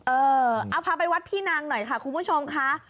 เออเอาพาไปวัดพี่นางหน่อยค่ะคุณผู้ชมค่ะ